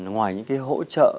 ngoài những cái hỗ trợ